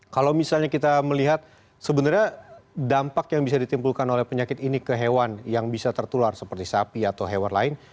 kalau misalnya kita melihat sebenarnya dampak yang bisa ditimpulkan oleh penyakit ini ke hewan yang bisa tertular seperti sapi atau hewan lain